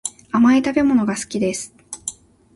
甘い食べ物が好きです